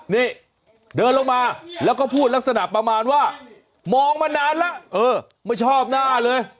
นี่เดินลงมาแล้วก็พูดลักษณะประมาณว่ามองมานานแล้วเออไม่ชอบหน้าเลย